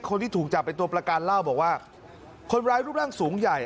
คนที่ถูกจับเป็นตัวประกันเล่าบอกว่าคนร้ายรูปร่างสูงใหญ่